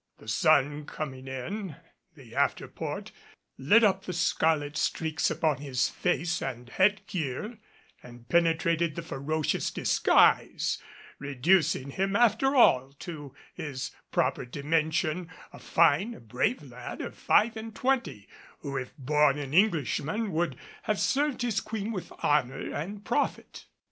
The sun coming in the after port lit up the scarlet streaks upon his face and head gear and penetrated the ferocious disguise, reducing him after all to his proper dimension a fine, brave lad of five and twenty, who if born an Englishman would have served his queen with honor and profit.